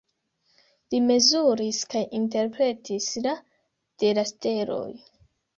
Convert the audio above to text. Li mezuris kaj interpretis la de la steloj.